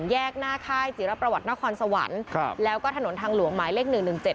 แยกหน้าค่ายจิรประวัตินครสวรรค์แล้วก็ถนนทางหลวงหมายเลขหนึ่งหนึ่งเจ็ด